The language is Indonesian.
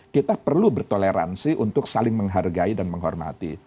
kita perlu bertoleransi untuk saling menghargai dan menghormati